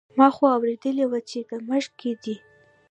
ما خو اورېدلي وو چې د مشق کې دی.